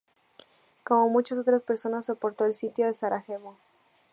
Como muchas otras personas, soportó el Sitio de Sarajevo.